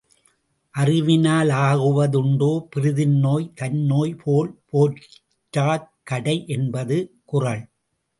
அறிவினா லாகுவ துண்டோ பிறிதின்நோய் தன்னோய்போல் போற்றாக் கடை என்பது குறள்.